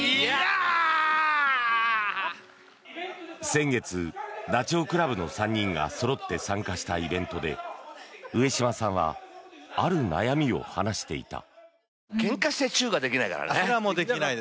先月、ダチョウ倶楽部の３人がそろって参加したイベントで上島さんはある悩みを話していた。